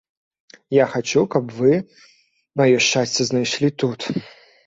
Я хачу, каб вы маё шчасце знайшлі тут.